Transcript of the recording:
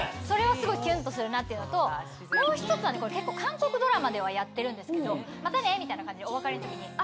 それはすごいキュンとするなっていうのともう１つは結構韓国ドラマではやってるんですけどまたねみたいな感じで。